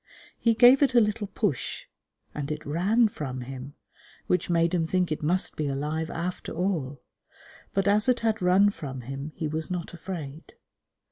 He gave it a little push, and it ran from him, which made him think it must be alive after all; but, as it had run from him, he was not afraid.